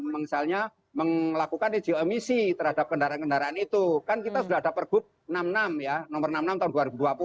melakukan geomisi terhadap kendaraan kendaraan itu kan kita sudah ada pergub enam puluh enam ya nomor enam puluh enam tahun